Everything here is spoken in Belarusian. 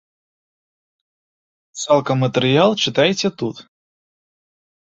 Цалкам матэрыял чытайце тут.